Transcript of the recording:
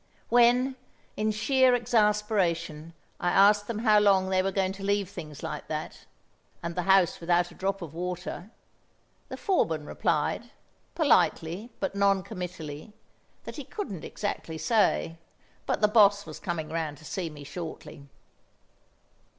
When, in sheer exasperation, I asked them how long they were going to leave things like that, and the house without a drop of water, the foreman replied, politely but non committally, that he couldn't exactly say, but the Boss was coming round to see me shortly.